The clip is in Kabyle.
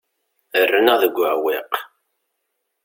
Rran-aɣ deg uɛewwiq.